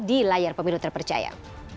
di layar pemiru terpercaya